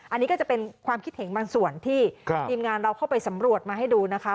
อันนี้ก็จะเป็นความคิดเห็นบางส่วนที่ทีมงานเราเข้าไปสำรวจมาให้ดูนะคะ